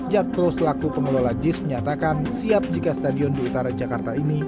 pihak pro selaku pemelola jis menyatakan siap jika stadion di utara jakarta ini